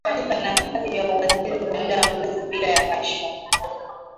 Alidumu katika nafasi ya uwaziri kwa muda mrefu bila ya kashfa